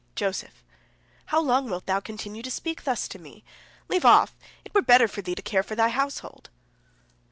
Joseph: "How long wilt thou continue to speak thus to me? Leave off! It were better for thee to care for thy household."